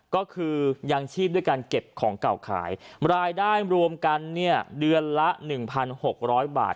ก็คือยังชีพด้วยการเก็บของเก่าขายรายได้รวมกันเนี่ยเดือนละ๑๖๐๐บาท